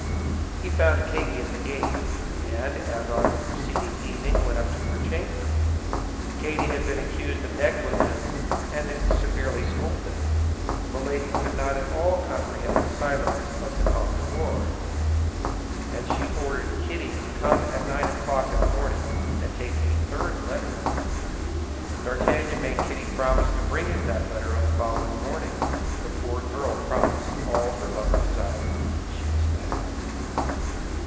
He found Kitty at the gate, and, as on the preceding evening, went up to her chamber. Kitty had been accused of negligence and severely scolded. Milady could not at all comprehend the silence of the Comte de Wardes, and she ordered Kitty to come at nine o'clock in the morning to take a third letter. D'Artagnan made Kitty promise to bring him that letter on the following morning. The poor girl promised all her lover desired; she was mad.